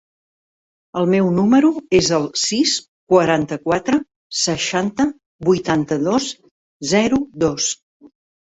El meu número es el sis, quaranta-quatre, seixanta, vuitanta-dos, zero, dos.